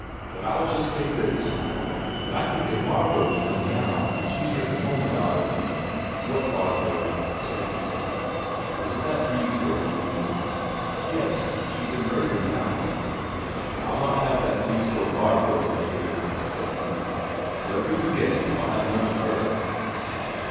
"But I'll just say this: that I could get Barbro to come now; she's written home about it." "What Barbro?" said Isak. "Is it that Brede's girl you mean?" "Yes. She's in Bergen now." "I'll not have that Brede's girl Barbro up here," said he. "Whoever you get, I'll have none of her."